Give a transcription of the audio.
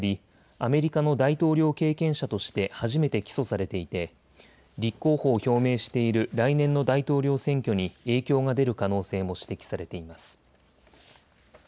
アメリカの大統領経験者として初めて起訴されていて立候補を表明している来年の大統領選挙に影響が出る可能性も指摘されています。